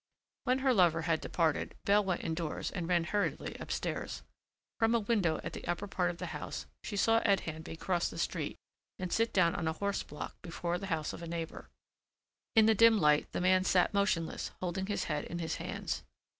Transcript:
When her lover had departed Belle went indoors and ran hurriedly upstairs. From a window at the upper part of the house she saw Ed Handby cross the street and sit down on a horse block before the house of a neighbor. In the dim light the man sat motionless holding his head in his hands.